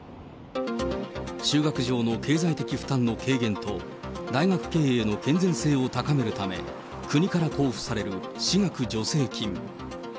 修学上の経済的負担の軽減と大学経営の健全性を高めるため国から交付される私学助成金。